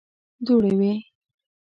دوړې وې.